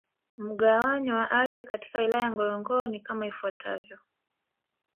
Mgawanyo wa ardhi katika Wilaya ya Ngorongoro ni kama ifuatavyo